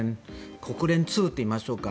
国連２といいましょうか。